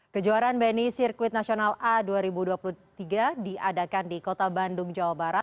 kejuaraan bni sirkuit nasional a dua ribu dua puluh tiga diadakan di kota bandung jawa barat